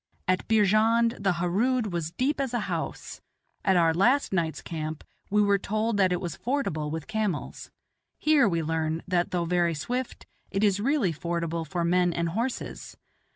At Beerjand the Harood was "deep as a house;" at our last night's camp we were told that it was fordable with camels; here we learn, that, though very swift, it is really fordable for men and horses.